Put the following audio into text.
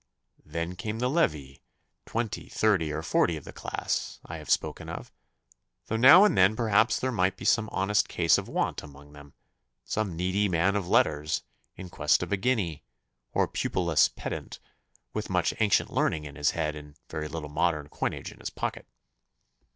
Then came the levee, twenty, thirty, or forty of the class I have spoken of, though now and then perhaps there might be some honest case of want among them, some needy man of letters in quest of a guinea, or pupil less pedant with much ancient learning in his head and very little modern coinage in his pocket.